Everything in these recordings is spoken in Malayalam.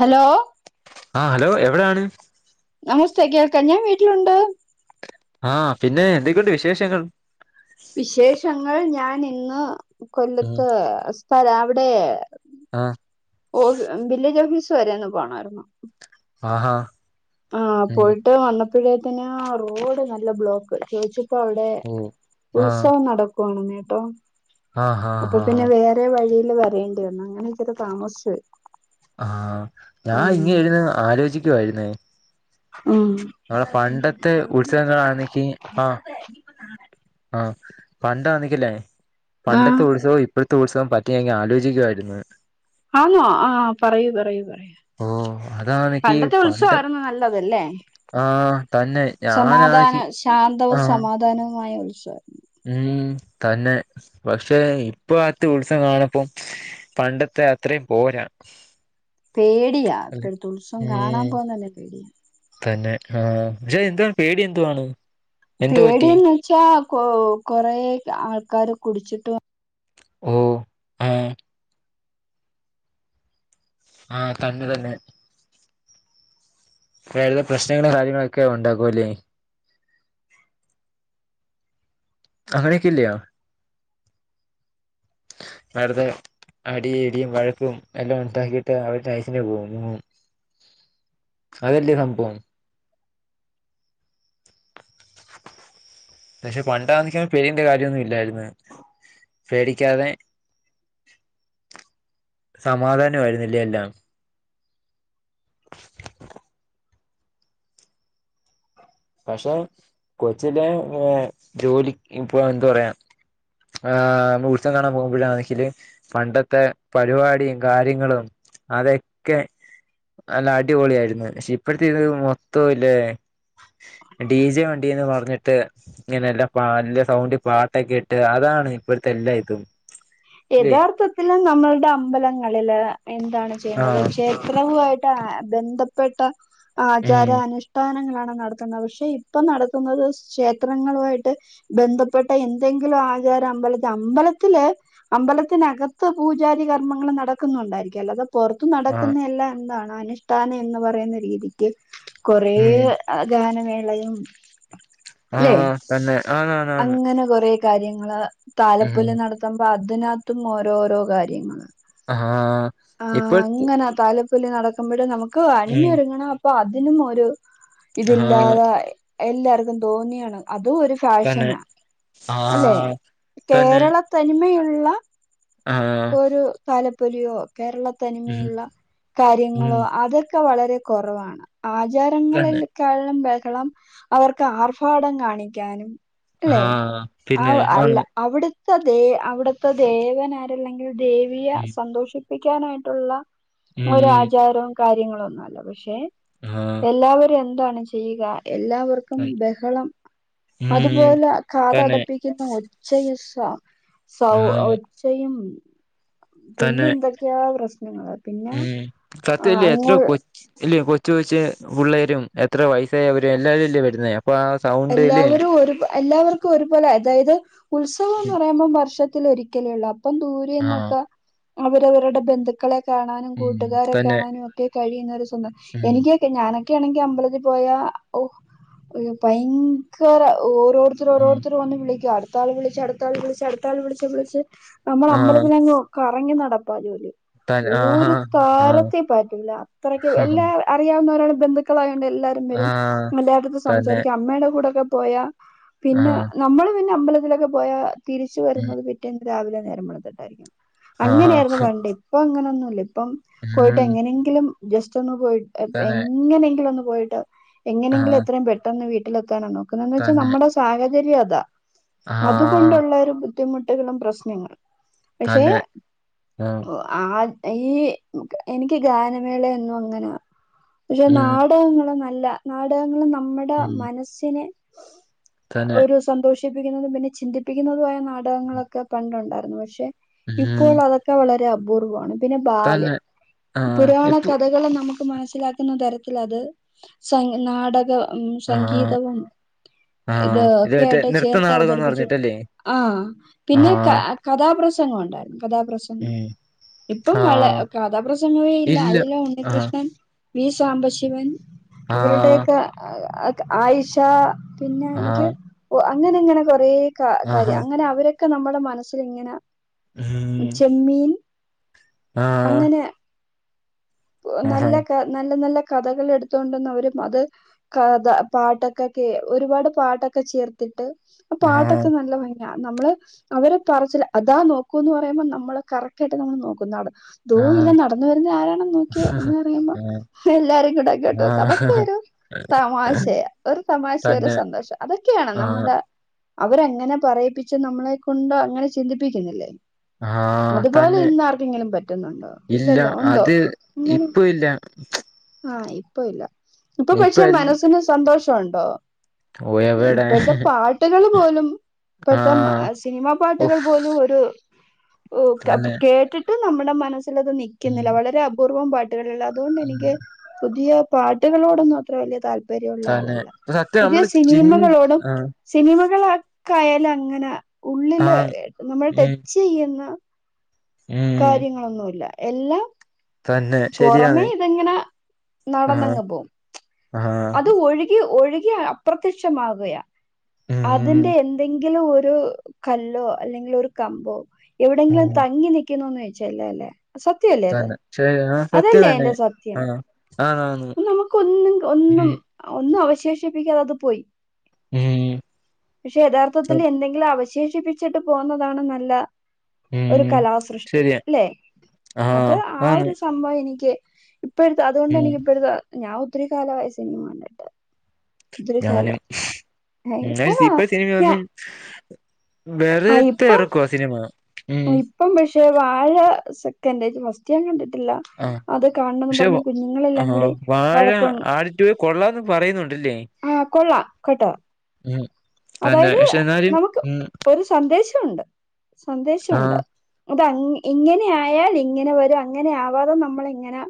ഹലോ ആഹ് ഹലോ എവിടാണ് നമസ്തേ കേൾക്കാം ഞാൻ വീട്ടിലുണ്ട് ആഹ് പിന്നെ എന്തൊക്കെയുണ്ട് വിശേഷങ്ങൾ വിശേഷങ്ങൾ ഞാൻ ഇന്ന് ഉം കൊല്ലത്ത് സ്ഥല അവിടെ ആഹ് ഓഹ് വില്ലേജ് ഓഫീസ് വരെയൊന്ന് പോണാർന്നു ആഹാ ആഹ് ഉം പോയിട്ട് വന്നപ്പഴേത്തിന് റോഡ് നല്ല ബ്ലോക്ക് ചോയ്ച്ച് പ്പൊ അവിടെ ഓ ആ ഉത്സവം നടക്കുവാണ്നേട്ടോ ആ ഹാ അപ്പൊ ഹാ പിന്നെ വേറെ വേറെ വഴിയിൽ വരേണ്ടി വന്നു അങ്ങനെ ഇച്ചിരി താമസിച്ച് പോയി ആഹ് ഞാ ഇങ്ങനെ ഇരുന്നു ആലോചിക്കുവായിരുന്നേ ഉം ആഹ് പണ്ടത്തെ ഉത്സവങ്ങളാണെങ്കി ആഹ് ആഹ് പണ്ടാനെങ്കിലെ ആ പണ്ടത്തെ ഉത്സവം ഇപ്പോഴത്തെ ഉത്സവം പറ്റി അങ് ആലോചിക്കുവായിരുന്ന് ആന്നോ ആഹ് പറയൂ പറയൂ പറയൂ ഓ അതാണെങ്കി പണ്ടത്തെ പണ്ട് ഉത്സവായിരുന്നു നല്ലതല്ലേ ആ തന്നെ സമാധാന ഞാനാണെങ്കി ആ ശാന്തവും സമാധാനവുമായ ഉത്സവം ഉം തന്നെ പക്ഷെ ഇപ്പൊ അത്ത ഉത്സവം കാണപ്പം പണ്ടത്തെ അത്രയും പോരാ പേടിയാ അല്ലെ ഇപ്പഴത്തെ ഉത്സവം കാണാൻ ഉം പോവാൻ തന്നെ പേടിയ തന്നെ ആഹ് പക്ഷെ എന്തുവാ പേടി എന്തുവാണ് എന്താ പറ്റി പേടിയന്ന് വെച്ചാ കൊ കൊറേ ആൾക്കാാര് കുടിച്ചിട്ട് വന്ന് ഓഹ് ആഹ് ആഹ് തന്നെ തന്നെ വേറതെ പ്രശ്നങ്ങളും കാര്യങ്ങളൊക്കെ ഉണ്ടാക്കും അല്ലേ അങ്ങനെക്കെ ഇല്ലിയോ [inaudible] നേരത്തെ അടിയും ഇടിയും വഴക്കും എല്ലാം ഉണ്ടാക്കിയിട്ട് അവര് നൈസിന് പോകും അതെല്ലേ സംഭവം പക്ഷെ പണ്ടാന്നെങ്കി പേരിന്റെ കാര്യോന്നും ഇല്ലായിന്ന് പേടിക്കാതെ സമാധാനമായിരുന്നില്ലേ എല്ലാം പക്ഷെ കൊച്ചിലെ ജോലി ഇപ്പൊ എന്താ പറയാ ആഹ് ഉൽസവാം കാണാൻ പോകുമ്പഴാണെങ്കില് പണ്ടത്തെ പരിപാടിയും കാര്യങ്ങളും അതൊക്കെ അല്ല അടിപൊളി ആയിരുന്നു പക്ഷെ ഇപ്പഴത്തെ ഇത് മൊത്തവും ഇല്ലേ ഡി ജെ വണ്ടിന്ന് പറഞ്ഞിട്ട് ഇങനെല്ല വല്യ സൗണ്ട്ൽ പാട്ടൊക്കെ ഇട്ട് അതാണ് ഇപ്പഴത്തെ എല്ലാ ഇതും ഇല്ലേ യഥാർത്ഥത്തില് നമ്മളുടെ അമ്പലങ്ങളില് എന്താണ് ചെയ്യേണ്ടത് ആഹ് ക്ഷേത്രവുമായി ട്ട് ബന്ധപ്പെട്ട ആചാര ഉം അനുഷ്ഠാനങ്ങളാണ് നട ക്കുന്നത് പക്ഷെ ഇപ്പൊ നടക്കുന്നത് ക്ഷേത്രങ്ങളുവായിട്ട് ബന്ധപ്പെട്ട എന്തെങ്കിലും ആചാരം അമ്പലത്തില് അമ്പലത്തില് അമ്പലത്തിനകത്ത് പൂജാരി കർമ്മങ്ങൾ നടക്കുന്നുണ്ടായിരിക്കും അല്ല അത പുറത്ത ആഹ് നടക്കുന്ന എല്ലാം എന്താണ് അനുഷ്ഠാനം എന്ന് പറയുന്ന രീതിക്ക് കൊറേ ഉം [unintelligible] ഗാനമേളയും ല്ലെ ആഹ തന്നെ ആണ ആണ് അങ്ങനെ കൊറെ കാര്യങ്ങള് ഉം താലപ്പൊല് നടത്തുമ്പോ അതിനക ത്തും ഓരോരോ കാര്യങ്ങ ആഹ് ആഹ ഇപ്പോഴത്തെ അങ്ങനെ തല്പ്പ ലി നടക്കുമ്പോഴേ നമുക്ക് ഉം അണഞ്ഞൊരുങ്ങണം അപ്പൊ അതിനും ഒരു ആഹ് ഇതില്ലാതെ എല്ലാർക്കും തോന്നിയാണ് അതും ഒരു തന്നെ ഫാഷനാ അല്ലെ ആഹ് തന്നെ കേരള തനിമയുള്ള ആഹ് ഒരു തലപ്പൊലിയോ കേരള ഉം തനിമയുള്ള ഉം കാര്യങ്ങളോ അതൊക്കെ വളരെ കുറവാണ് ആചാരങ്ങളിൽ തന്നെ കളിലും ബഹളം അവർക്ക് ആർഭാടം കാണിക്കാനും അല്ലെ ആഹ് ആഹ പിന്നെ അല്ല ആണ് അവിടുത്തെ ദേ അവിടുത്തെ ദേവൻരല്ലെങ്കിൽ ദേവിയെ സന്തോഷിക്ക കണിക്കാനായിട്ടുള്ള ഒരു ആചാരവും കാര്യങ്ങളും ഒന്നുംല്ല പക്ഷെ എല്ലാവരും എന്താണ് ചെയ്യുക എല്ലാവർക്കും ബഹളം തുപല തന്നെ കാതടപ്പിക്ക ഒച്ചയും സ സൗ ആ ഒച്ചയും തന്നെ പിന്നെ എന്തൊക്കെയാ പ്രശ്നങ്ങള് പിന്നെ അങ്ങോൾ ഇല്ല കൊച്ചു കൊച്ച് പുള്ളേരും എത്ര വയസ്സായ അവരും എല്ലാവരും ഇല്ലേ വരുന്ന അപ്പൊ ആഹ സൗണ്ട് ഇല്ല എല്ലാവരും ഒരു എല്ലാവർക്കും ഒരുപോല അതായത് ഉത്സവ [inaudible] മ്പോ വർഷത്തിലൊരിക്കലേയുള്ളൂ അപ്പം ആ ദൂരേന്നൊക്കെ അവരവരുടെ ബന്ധുക്കളെ കാണാനും ഉം കൂട്ടുകാരെ തന്നെ കാണാനും ഒക്കെ കഴിയുന്നൊരു സ്വന്തം ഉം എനിക്കൊക്കെ ഞാനൊക്കെ ക്കേണെങ്കി അമ്പലത്തി പോയാ ഓ ഭയങ്കര ഓരോരുത്ത ഉം ത്തരോരുത്തര് വന്നു വിളിക്കുവാ അടുത്താള് വിളിച്ച് അടുത്താള് വിളിച്ച് അടുതാള് വിളച്ച് വിളച്ച് ആ നമ്മളമ്പത്തിലത്തിലങ് കറങ്ങി നടപ്പാ ജോലി തൻ ആഹാ ഓരു ആ തരത്തി പറ്റൂല അത്രക്ക് ആ എല്ലാ അറിയാവുന്ന ഒരാൾ ബന്ധുക്കളായോണ്ട് എല്ലാരും ആ, വരും എല്ലാരുടത്ത് സം തന്നെ അമ്മയുടെ കൂടെക്കെ പോയാ ആ പിന്നെ നമ്മള് പിന്നെ അമ്പലത്തിലൊക്കെ പോയാ തിരിച്ച് ഉം വരുന്നത് പിറ്റേന്ന് രാവിലെ നേരം വെളുത്തിട്ടായിരിക്കും ആഹാ അങ്ങനെയായിരുന്നു പണ്ട് ഇപ്പൊ അങ്ങനൊന്നുല്ല ഇപ്പം ഉം പോയിട്ടെങ്ങനെങ്കിലും ജസ്റ്റ് ഒന്ന് പോയി എ തന്നെ എങ്ങനെങ്കിലും ഒന്ന് പോയിട്ട് ആ എങ്ങനെങ്കിലു എത്രയും പെട്ടെന്ന് വീട്ടിലെത്താനാ നോക്കുന്നത് എന്ന് വെച്ചാ തന്നെ നമ്മടെ സാഹചര്യം അതാ ആ അതുകൊണ്ടുള്ളൊരു ബുദ്ധിമുട്ടുകളും പ്രശ്നങ്ങളും പക്ഷെ തന്നെ ആ ഊ ആഹ ഈ എനിക്ക് ഗാനമേളയൊന്നും അങ്ങനെ പക്ഷെ ഉം നാടകങ്ങള് നല്ല നാടകങ്ങള് നമ്മടെ ഉം മനസ്സിനെ തന്നെ ഒരു സന്തോഷിപ്പിക്കുന്നതും പിന്നെ ചിന്തിപ്പിക്കുന്നതുമായ നാടകങ്ങളൊക്കെ പണ്ടുണ്ടായിരുന്നു പക്ഷെ ഉം ഇപ്പോളതൊക്കെ വളരെ അപൂർവാണ് പിന്നെ ബാലെ തന്നെ ആഹ് പുരാണ എപ്പ കഥകള് നമുക്ക് മനസ്സിലാക്കുന്ന തരത്തിലത് സം നാടക ഉം ആഹ് സംഗീതവും ആഹ് ഇത് മറ്റേ ഒക്കെയായിട്ട് നൃത്ത നാടകംന്ന് ചേർത്തവതരിപ്പിച്ചു പറഞ്ഞിട്ടല്ലേ ആഹ് പിന്നെ കാ ആഹ് കഥാപ്രസംഗം ഒണ്ടായിരുന്നു കഥാപ്രസ ഉം ഇപ്പം വള ആഹ് കഥാപ്രസംഗമേയില്ല ഇല്ല അയില ആഹ് ഉണ്ണികൃഷ്ണൻ വി സാംബശിവൻ ആഹ് അവരുടെയക്കെ അ ആയിഷ പിന്നെ എനിക്ക് ആഹ് ഒഹ അങ്ങനെയങ്ങനെ കൊറേ കാ ആഹാ കാര്യം അങ്ങനെ അവരെ ക്കെ നമ്മടെ മനസ്സിലിങ്ങനെ ഉം ചെമ്മീൻ. ആഹ് അ അങ്ങനെ നല്ല ക നല്ല നല്ല കഥകളെട്ത്തോണ്ടന്ന് അവര് അത്. കഥ പാട്ടൊക്കെകേ ഒരുപാട് പാട്ടൊക്കെ ചേർത്ത്ട്ട് ആ ആഹ് പാട്ടൊക്കെ നല്ല ഭ നമ്മള് അവര് പറച്ചിലാ അതാ ന്നോക്കൂ പറയുമ്പോ നമ്മള് കറക്റ്റായിട്ട് നമ്മൾ നോക്കുന്നു അവടെ ദോ ആഹ് ഇയിലെ നടന്നു വരുന്നെ ആരാണന്ന് നോക്കിയേ എന്ന് പറയുമ്പോ. ആഹ് എല്ലാരും ഇങ്ങനാ കേട്ടെ ആഹ് കഥക്കേരും. തമാശയ ഒരു തമാഷെ ഒരു തന്നെ സന്തോഷം അതൊക്കെയാണ് ആഹ് നമ്മണ്ടെ- അവരങ്ങനെ പറയിപ്പിച്ച് നമ്മളെ കൊണ്ട് അങ്ങനെ ചിന്തിപ്പിക്കുന്നില്ലേ. ആഹ് അതുപോലെ തന്നെ ഇന്നാർക്കെങ്കിലും പറ്റുന്നുണ്ടോ ഇല്ലല്ലോ ഉണ്ടോ? ഇപ്പൊവില്ല ച്ച് ഉം ഇപ്പ ഇല്ല ഇപ്പ ട്ട്പഷെ എൽ മനസ്സിന് സന്തോഷോണ്ടോ? ഇമ് എവടെ ഇപ്പഴ്ത്തെ പാട്ട്കള് പോലും- ഇപ്പഴത്തം ആഹ് അ സിനിമാ പാട്ട്കൾ ഉഫ് പോലും ഒരു- ഓ ക ട്ട് തന്നെ കേട്ട്ട്ട് നമ്മുടെ മനസ്സിലത് ഉം നിക്കുന്നില്ല വളരെ അപൂർവ്വം പാട്ട്കള്ള- ഉം അതോണ്ടെനിക്ക് പുതിയ പാട്ടുകളോടൊന്നും അത്ര വല്യ താൽ പര്യവുള്ള തന്നെ ആളല്ല സത്യം പുതിയ നമ്മള് ചിൻ സിനിമകളോടും, ആഹ് സിനിമകളൊക്കായാ ലങ്ങനെ ഉള്ളില് ആഹ് ഇങ്ങനെ ഉം ട്ടെച്ചെയ്യുന്ന. ഉം കാര്യങ്ങളൊന്നുല്ല എല്ലാ- തന്നെ ശരിയാണ് പൊറമേ ഇതങ്ങനെ ആഹ് നടന്നങ്ങ് പോവും. അത് ആഹ് ഒഴുകി ഒഴുകി അപ്രത്യക്ഷമാവുകയാ, ഉം അതിന്റെ എന്തെങ്കി ലൊരു കല്ലോ അല്ലെങ്കിലൊരു കമ്പോ എവിടെങ്കിലും ഉം തങ്ങി ന്നിക ക്കുന്നൂ ന്നോയ്ച്ചല്ലോ ലേ. സത്യല്ലേ അത് തന്നെ ശരി ആ സത്യം അതല്ലേ തന്നെ അയ്ന്റെ സത്യം ആഹ് ആണ് ആണ് നമുക്ക് ഒന്നും ഉം ഒന്നും- ഒന്നും അവശേഷിപ്പിക്കാതെ അത് പൊയ്. ഉം പക്ഷെ യഥാർത്ഥത്തില് എന്തെങ്കിലും അവശേഷിപ്പിച്ചിട്ട് പോകുന്നതാണ് ന്നല്ല- ഒരു ഉം കലാസൃഷ്ടി ശരിയാ ല്ലെ അത് ആഹ് ആ ആണ് ഒരു സംഭവം എനിക്ക്- ഇപ്പഴ്ത്തെ അതുകൊണ്ട് ഉം എനിക്ക് ഇപ്പട് തെ ഞാ ഒത്തിരി കാലവായി സിനിമ കണ്ടിട്ട്. ഒത്തിരി ഞാനും കാലം എന്നായ് അതാ സിപൈ സിനിമ ഞാൻ ഒന്നും. വെറുത്തെ ഇപ്പം ഒരൊ കൊ സിനിമ. ഉം ഇപ്പം പക്ഷെ വാഴ സെക്കൻന്റെജ് ഫസ്റ്റ് ഞാ കണ്ടിട്ടില്ല. ആഹ് അത് കാണണംന്ന് പക്ഷെ പറഞ്ഞ് കുഞ്ഞുങ്ങളെല്ലാം കൂടി വഴക്കും. ഏ കൊള്ളാന്നും പറയുന്നുണ്ടല്ലേ. ആഹ കൊള്ളാ കെട്ടോ. ഉം തന്നെ അതായത് പക്ഷെ എന്നാലും നമുക്ക് ഉം ഒര് ഷന്ദേശുണ്ട് സന്ദേശുണ്ട്. ആഹ് ഇത് അങ്ങ് ഇങ്ങനെയായാൽ ഇങ്ങനെ വെരും അങ്ങനെയാവാതെ നമ്മളെങ്ങനെ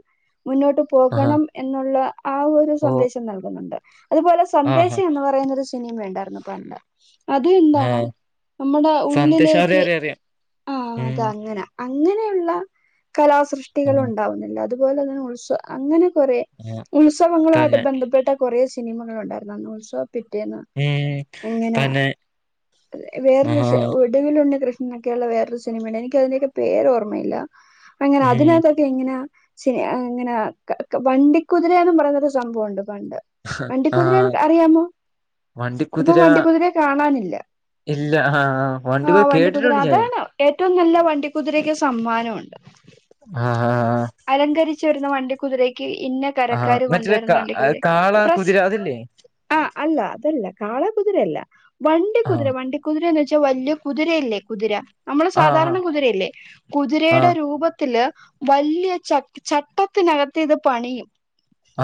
മുനോട്ട്- ആഹ് പോകണം എന്നുള്ള ആ ഒരു ഓ സന്ദേശം നൽകുന്നുണ്ട് അതുപോലെ ആഹ് സന്ദേശം എന്ന് പറയുന്നൊരു- ഞ്ഞും വേണ്ടാർന്നു പറണ്ട അതുണ്ടാണ് ആഹ് നമ്മുടെ സന്ദേശം അറിയാം ഉള്ളിലേക്ക്- അറിയാം അറിയാം ആ ഉം അതങ്ങന അങ്ങനെയുള്ള ഉം കലാസൃഷ്ടികളുണ്ടാവുന്നില്ല അത്- അത് പോലെ ഇങ്ങന ഉത്സവ അങ്ങനെ കൊറേ ഉം ഉത്സവങ്ങളുവായിട്ട് തന്നെ ബെന്ധപ്പെട്ട- കൊറേ സിനിമകളുണ്ടായിരുന്നു അന്ന് ഉത്സവ പിറ്റേന്ന്. ഏഹ് ഇങ്ങന വേറൊരു ആഹാ ചെ ഒ ഇടുവിലുണ്ണികൃഷ്ണക്കെള്ള വേറൊരു സിനിമണ്ട് എനിക്കതിന്റെക്കെ പേരോർമ്മയില്ല അങ്ങനെ ഉം അതിനാത്തൊക്കെ. എങ്ങന ചെ, എങ്ങന വണ്ടിക്കുതിരേന്ന് പറയുന്നൊരു സംഭവുണ്ട് പണ്ട്. വണ്ടിക്കുതിര ആഹ് അറിയാമോ? ഇപ്പൊ വണ്ടിക്കുതിര. വണ്ടിക്കുതിരയെ കാണാനില്ല ഇല്ല ഹ ആ വണ്ടിക്കുതിര കേട്ടിട്ടുണ്ട് ഞാൻ. ഏറ്റവും നല്ല വണ്ടിക്കുതിരക്ക് സമ്മാനൊണ്ട്. ആഹ ഹ. അലങ്കരിച്ച് വരുന്ന വണ്ടിക്കുതിരയ്ക്ക് ഇന്ന ആഹ് കരക്കാര് മറ്റേ കൊണ്ടുവരുന്ന കാ വണ്ടി കുതിര കാള പ്രസ് കുതിര അതില്ലേ ആ അല്ല, അതല്ല കാള കുതിരയല്ല, വണ്ടി ആഹ് കുതിര വണ്ടി. കുതിരന്ന് വെച്ചാ വല്യ കുതിരയല്ലേ കുതിര നമ്മള് ആഹ് സാധാരണ കുതിരയല്ലേ കുതിരയുടെ ആഹ് രൂപ ത്തില് വലിയ ച, ചട്ടത്തിനകത്ത് ഇത് പണിയും.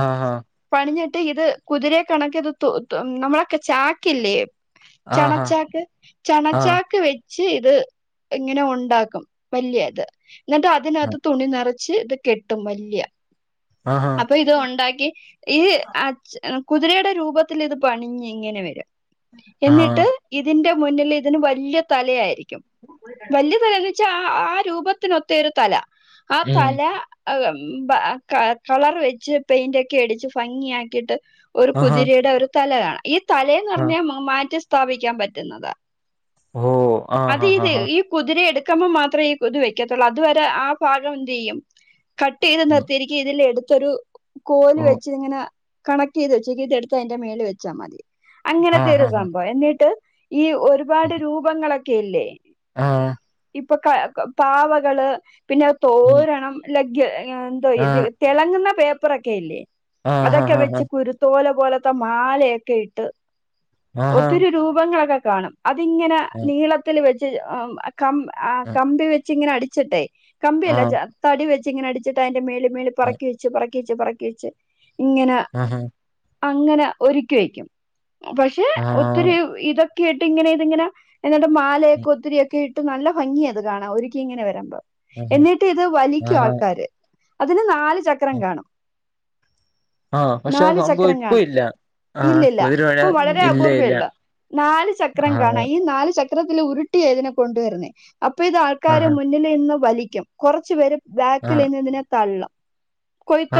ആഹ. പണിഞ്ഞിട്ട് ഇത് കുതിരയെ കണക്കിത് നമ്മളൊക്കെ ചാക്കില്ലേ. ആഹ് ചണച്ചാക്ക് ആഹ് ചണച്ചാക്ക് വെ ച്ച് ഇത് ഇങ്ങനെ ഒണ്ടാക്കും. വലിയ ഇത് എന്നിട്ട് അതിനത്ത് തുണി നെറ ച്ച് ഇത് കെട്ടും വല്യ. ആഹ. അപ്പൊ ഇത് ഒണ്ടാക്കി ഈ കുതിരയുടെ രൂപത്തിലിത് പണിഞ്ഞ് ഇങ്ങനെ വര. ആഹ് എന്നിട്ട് ഇതിന്റെ മുന്നില് ഇതിന് വലിയ തലയായിരിക്കും വലിയ തല ച്ച ആ രൂപത്തിനൊത്ത ഒരു തല ആ ഉം തല. കളർ വെച്ച് പെയിന്റോക്കെ അടിച്ച് ഭംഗിയാക്കിട്ട് ഒരു ആഹാ കുതിരയുടെ ഒരു തല കാണാം. ഈ ആഹ് തലെന്ന്റഞ്ഞ മാറ്റി സ്ഥാപിക്കാൻ പറ്റുന്നത. ഓ ആഹ് അത് ഇത് ആഹ് ഈ കുതിരയ എടുക്കുമ്പോ മാത്രമേ ഈ കൊതു വെക്കത്തുള്ളൂ അതുവരെ ആ ഭാഗംന്തിയ്യും കട്ട് ചെയ്ത് ആഹ് നിർത്തിരി എ ഇതില് എടുത്തൊരു കോല് ഓ വെച്ച് ഇങ്ങന. കണക്ട് ചെയ്ത് വെച്ചേക്കും. ഇതെടുത്ത് അതിന്റെ മേല് വെച്ചാ മതി അങ്ങനത്തെ ആഹ് ഒരു ആഹ് സംഭവം എന്നിട്ട്. ഈ ഒരുപാട് രൂപങ്ങളൊക്കെല്ലേ. ആഹ് ഇപ്പൊക്ക പാവകള് പിന്നെ തോ ഉം ആഹ് [unintelligible] തെളങ്ങുന്ന പേപ്പറൊക്കെല്ലേ ആഹ് അതൊക്കെ ആഹ് വെച്ച് കൊരു തോല പോലത്തെ മാലയൊക്കെ ഇട്ട് ആഹ് ഒത്തിരി രൂപങ്ങളൊക്കെ കാണും. അതിങ്ങനെ നീളത്തില് വെച്ച് കമ്പി വെച്ചിങ്ങനെ അടിച്ചിട്ടെ. കമ്പിയല്ല ആഹ് ആഹ് തടി വെച്ചിങ്ങനെ അടിച്ചിട്ട് അയ്ന്റെ മേളി, മേളി പറ പറക്കി വെച്ച്, പറക്കി വെച്ച്, പറക്കി വെച്ച് ഇങ്ങന. ആഹ. അങ്ങന ഒരുക്കി വെക്കും. പക്ഷെ ഒത്തിരി. ആഹ് ഇതൊക്കെ ഇട്ട് ഇങ്ങനെ ഇതിങ്ങനെ എന്നിട്ട് മാലയൊക്കെ ഒത്തിരിയൊക്കെ ഇ- ട്ട് നല്ല ഭംഗിയത് കാണാൻ ഒരിക്കി ഇങ്ങനെ വരുമ്പം ആഹ് എന്നിട്ട് ഇത് വലിക്കും ആഹ് ആൾക്കാര്. അതിന് നാല് ചക്രം കാണും. ആഹ് പക്ഷെ ആ സംഭവം ഇപ്പ ഇല്ല. ആഹ് ഇല്ലല്ല കുതിരമഴ പ്പം വളരെ ഇല്ല ഇല്ല അപൂർവെള്ള നാല് ചക്രം ആഹ് കാണാം ഈ നാല് ചക്ര ത്തിലുരുട്ടിയതിനെ കൊണ്ടുവരുന്നേ. അപ്പൊ ഇത് ആൾക്കാര് ആഹ് മുന്നിൽ ഇന്ന് വലിക്കും കുറച്ചു പേര്. ആഹ് ബാക്കിലിന്ന്തിനെ തള്ളും.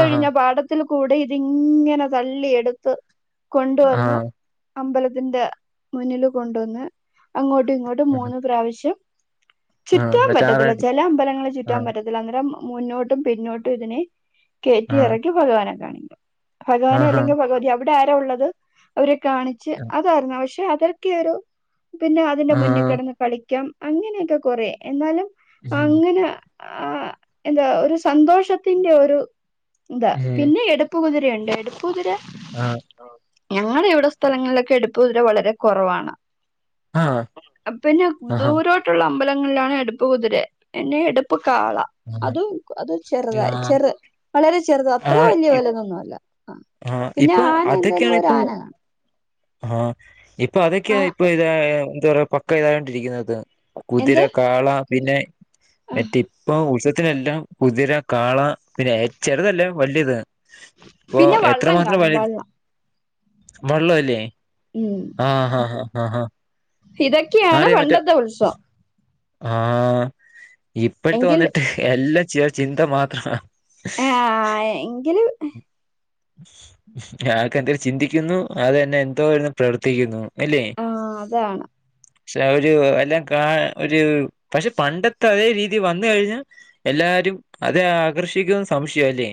ആഹ് പാടത്തിൽ കൂടെ ഇതിങ്ങനെ തള്ളിയെടുത്ത്. കൊണ്ടുവന്ന് ആഹ് അമ്പലത്തിന്റെ മുന്നില് കൊണ്ടുവന്ന് അങ്ങോട്ടും ഇങ്ങോട്ട് ട്ടും മൂന്ന് പ്രാവശ്യം ആഹ് ചുറ്റാൻ മറ്റേ പറ്റത്തില്ല ആറാടി ചെല അമ്പലങ്ങളെ ചുറ്റാൻ ആഹ് പറ്റത്തില്ല അന്നെരം മുന്നോട്ടും പിന്നോട്ടും ഇതിനെ ആഹ് കേറ്റിയിറക്കി ഭഗവാനെ കാണിക്കും ഭഗവാനെ ആഹാ അല്ലെങ്കിൽ ഭഗവതി അവിടെ ആരാ ഉള്ളത്? അവരെ കാണിച്ച് അതായിരുന്നു പക്ഷെ അതൊക്കെയൊരു പിന്നെ അതിന്റെ മുന്നിൽ ആഹ് കിടന്ന് കളിക്കാം അങ്ങനെയൊക്കെ കൊറേ എന്നാലും ഉം അങ്ങനാ ആ എന്താ ഒരു സന്തോഷത്തിന്റെ ഒരു എന്താ ഉം പിന്നെ എട് - പ്പുതിരണ്ട് എടുപ്പുതിരാ. ആഹ് ഞങ്ങടെ ഇവിടെ സ്ഥലങ്ങളിലൊക്കെ എടുപ്പ് കുതിര വളരെ കുറവാണ്. ആഹ് അപിന്നെ ആഹാ ദൂരോട്ട് - ട്ടുള്ള അമ്പലങ്ങലിലാണ് എടുപ്പ് കുതിര പിന്നെ എടുപ്പ് കാള. ആഹ് അതും അത് ചെറുതായി ആഹ് ചെറ വളരെ ചെറുത അത്ര വലിയ വലുതൊന്നുല്ല. ആ ആഹ് പിന്നെ ഇപ്പൊ ആന എന്തായാലും അതൊക്കെയാണ് ഇപ്പൊ ഒരാന കാണും. ആഹ് ഇപ്പൊ അതൊക്കെയ ആ ഇപ്പൊ ഇതാ ന്താ പറയാ പക്ക ഇതായ്ട്ടിരിക്ക്‌ന്നത്. കുതിര എന്ത് കാള പിന്നെ ആ, മറ്റേ ഇപ്പൊ ഉത്സവത്തിനെല്ലാം കുതിര കാള പിന്നെഏ ചെറുതല്ല വലിയത് ഇപ്പൊ പിന്നെ എത്ര വള്ളം മാത്രം കാണും വലി വള്ളം വള്ളം അല്ലേ ഉം ആഹ് അഹ അഹ ഇതൊക്കെയാണ് പണ്ടത്തെ ഉത്സവം ആഹ് ഇപ്പോഴത്തെ എങ്കിലും വന്നിട്ട് എല്ലാം ചിന്ത മാത്രവാ. ആ ആ എങ്കിലും ആൾക്കാരെന്തേങ്കിലും ചിന്തിക്കുന്നു അത് തന്നെ എന്തോ വരുന്നു പ്രവർത്തിക്കുന്നു. അല്ലേ ആഹ് അതാണ് പക്ഷെ ഒരു എല്ലാം കാ- ഒരു പക്ഷെ പണ്ടത്തെ അതേ രീതി വന്ന് കഴിഞ്ഞാ എല്ലാരും അതെ ആകർഷിക്കുന്ന് സംശയല്ലേ?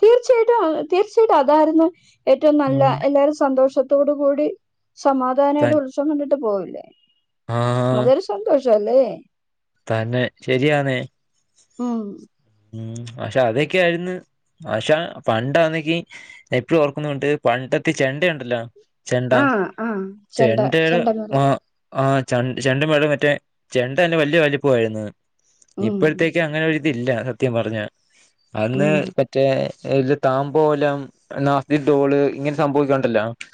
തീർച്ചയായിട്ടും തീർച്ചയായിട്ടും അതായിരുന്നു ഏറ്റവും നല്ല ഉം എല്ലാരും സന്തോഷ- ത്തോട്കൂടി ത സമാധാനായ്ട്ട് ഉത്സവം കണ്ടിട്ട് പോവില്ലേ. ആഹ് അതൊരു സന്തോഷ അല്ലേ. തന്നെ ശരിയാന്നേ ഉംഹ് ഉം പക്ഷെ അതൊക്കെയായിര്ന്ന്. പഷാ പണ്ടാന്നെങ്കി പ്പഴും ഓർക്കുന്നുണ്ട് പണ്ടത്തെ ചെണ്ട ഉണ്ടല്ലോ? ചെണ്ടാ ആഹ് ആഹ് ചെണ്ട ചെണ്ടയുടെ മ ചെണ്ടമേളം ആ ച ചെണ്ട മേടം മറ്റേ ചെണ്ട തന്നെ വല്ല്യ വലിപ്പം ആയിര്ന്ന്. ഉം ഇപ്പോഴത്തേക്ക് അങ്ങനെ ഒരിതില്ല സത്യം പറഞ്ഞ അന്ന് ഉം മറ്റേ ഇല് താമ്പോലം നാസ് ഡോള് ഇങ്ങനെ സംഭവക്കണ്ടല്ലോ